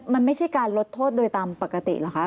มันไม่ใช่การลดโทษโดยตามปกติเหรอคะ